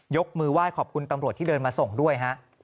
ยกมือไหว้ขอบคุณตำรวจที่เดินมาส่งด้วยฮะ